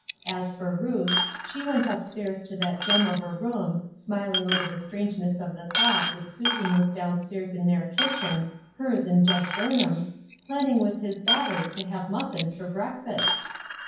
As for Ruth, she went up stau's to that gem of a room, smiling over the strangeness of the thought that Susan was down stau s in their kitchen, hers and Judge Burn ham's, planning with his daughters to have muf fins for breakfast